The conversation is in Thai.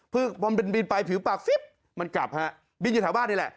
คือพอมันบินไปผิวปากมันกลับฮะบินอยู่ทางบ้านนี่แหละ